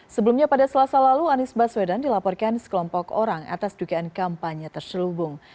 sebelumnya pada selasa lalu anies baswedan dilaporkan sekelompok orang atas dugaan kampanye terselubung